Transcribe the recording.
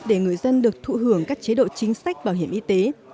để người dân được thụ hưởng các chế độ chính sách bảo hiểm y tế